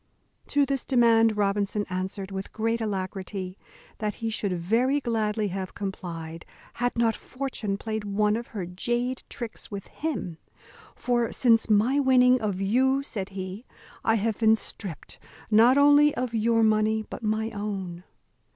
To this demand Robinson answered, with great alacrity, that he should very gladly have complied, had not fortune played one of her jade tricks with him: "for since my winning of you," said he, "I have been stript not only of your money but my own."